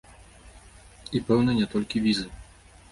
І, пэўна, не толькі візы.